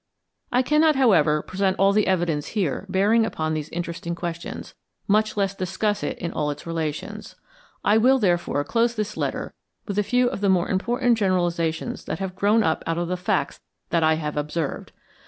I cannot, however, present all the evidence here bearing upon these interesting questions, much less discuss it in all its relations. I will, therefore, close this letter with a few of the more important generalizations that have grown up out of the facts that I have observed.